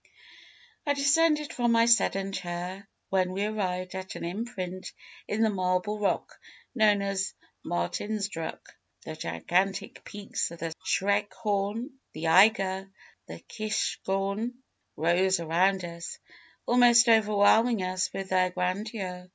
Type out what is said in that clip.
"I descended from my sedan chair when we arrived at an imprint in the marble rock known as 'Martinsdruck.' The gigantic peaks of the Schreckhorn, the Eiger, the Kischhorn, rose around us, almost overwhelming us with their grandeur.